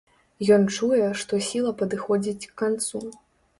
Ён чуе, што сіла падыходзіць к канцу.